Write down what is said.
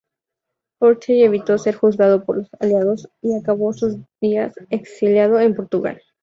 Horthy evitó ser juzgado por los Aliados y acabó sus días exiliado en Portugal.